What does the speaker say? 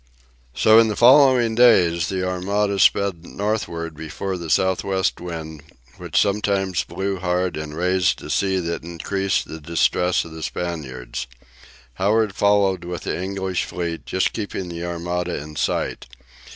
So in the following days the Armada sped northward before the south west wind, which sometimes blew hard and raised a sea that increased the distress of the Spaniards. Howard followed with the English fleet, just keeping the Armada in sight.